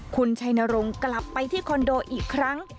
คุณชัยนรงค์กลับไปที่คอนโดอีกครั้ง